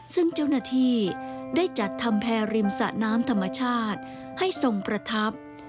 ซึ่งเจ้าหน้าที่ได้จัดทำแพร่ริมสะน้ำธรรมชาติให้ทรงประทับ